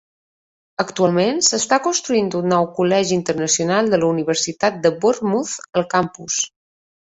Actualment s'està construint un nou Col·legi Internacional de la Universitat de Bournemouth al campus.